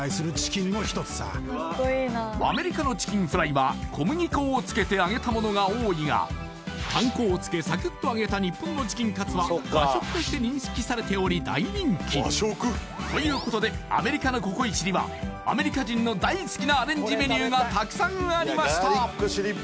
１日２００食以上も売れているというしかしパン粉をつけサクッと揚げた日本のチキンカツは和食として認識されており大人気ということでアメリカのココイチにはアメリカ人の大好きなアレンジメニューがたくさんありました